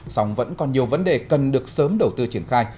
song vẫn còn nhiều vấn đề cần được sớm đầu tư triển khai